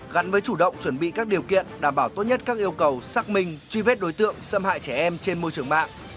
gắn với chủ động chuẩn bị các điều kiện đảm bảo tốt nhất các yêu cầu xác minh truy vết đối tượng xâm hại trẻ em trên môi trường mạng